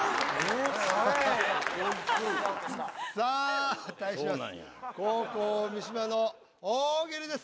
さあ対します